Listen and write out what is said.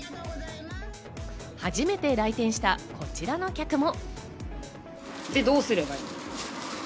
初めて来店したこちらの客も。